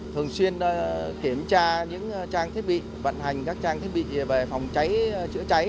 thường xuyên kiểm tra những trang thiết bị vận hành các trang thiết bị về phòng cháy chữa cháy